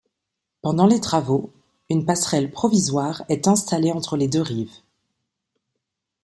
Pendant les travaux, une passerelle provisoire est installée entre les deux rives.